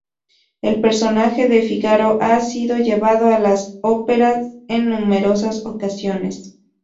El personaje de Fígaro ha sido llevado a la ópera en numerosas ocasiones.